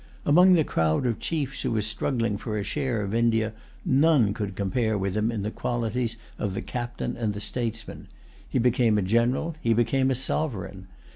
Among the crowd of chiefs who were struggling for a share of India, none could compare with him in the qualities of the captain and the statesman. He became a general; he became a sovereign.